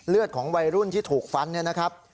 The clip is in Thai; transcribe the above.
ของวัยรุ่นที่ถูกฟันเนี่ยนะครับ